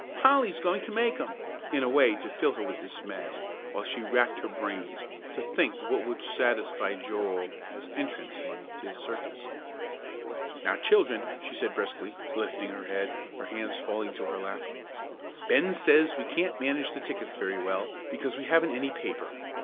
Polly's going to make 'em!" in a way to fill her with dismay, while she racked her brains to think what would satisfy Joel as entrance money to his circus. "Now, children," she said briskly, lifting her head, her hands falling to her lap, "Ben says we can't manage the tickets very well, because we haven't any paper."